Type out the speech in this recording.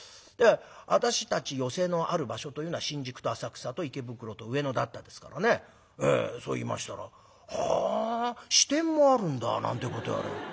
私たち寄席のある場所というのは新宿と浅草と池袋と上野だったですからねそう言いましたら「はあ支店もあるんだ」なんてこと言われる。